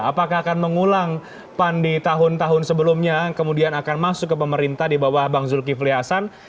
apakah akan mengulang pan di tahun tahun sebelumnya kemudian akan masuk ke pemerintah di bawah bang zulkifli hasan